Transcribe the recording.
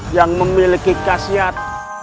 yang memiliki kasyat